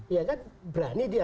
ya kan berani dia